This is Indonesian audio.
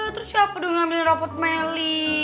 terus siapa udah ngambilin rapot melly